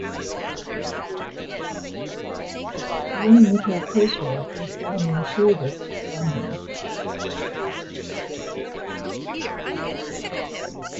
William Nichol Cresswell was born in Shoreditch, London.